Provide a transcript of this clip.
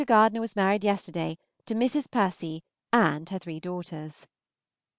Gardiner was married yesterday to Mrs. Percy and her three daughters.